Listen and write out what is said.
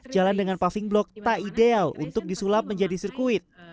jalan dengan paving block tak ideal untuk disulap menjadi sirkuit